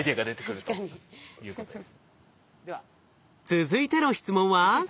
続いての質問は？